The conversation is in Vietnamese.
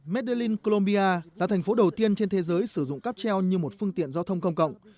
meddelin colombia là thành phố đầu tiên trên thế giới sử dụng cáp treo như một phương tiện giao thông công cộng